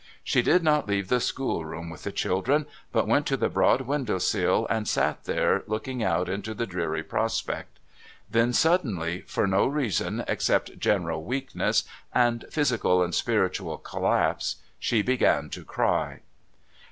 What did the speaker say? She did not leave the schoolroom with the children, but went to the broad window sill and sat there looking out into the dreary prospect. Then, suddenly for no reason except general weakness and physical and spiritual collapse she began to cry.